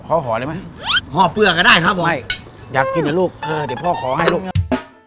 ห่อได้ไหมห้อเปลืองก็ได้ครับบอยอยากกินนะลูกเออเดี๋ยวพ่อขอให้ลูกนะ